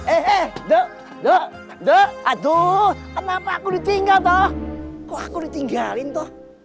eh eh nduk nduk nduk aduh kenapa aku ditinggal toh kok aku ditinggalin toh